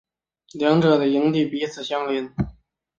两者的营区彼此相邻。